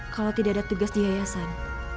kalau tidak ada tugas di yayasan